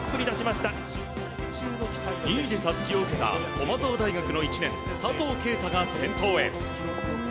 ２位でタスキを受けた駒澤大学の１年佐藤圭汰が先頭へ。